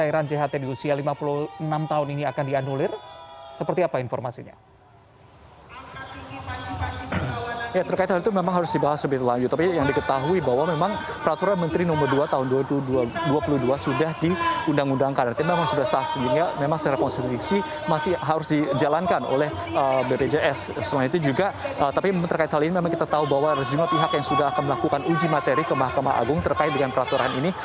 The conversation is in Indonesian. yang tadi didampingi oleh sekjen